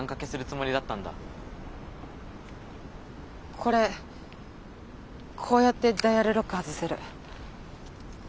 これこうやってダイヤルロック外せる。